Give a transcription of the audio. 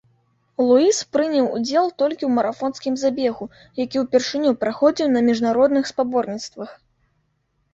Луіс прыняў удзел толькі ў марафонскім забегу, які ўпершыню праходзіў на міжнародных спаборніцтвах.